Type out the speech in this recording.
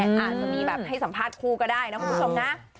อาจจะมีแบบให้สัมภาษณ์คู่ก็ได้นะคุณผู้ชมนะ